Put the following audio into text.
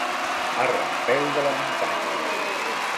A rampeu de la muntanya.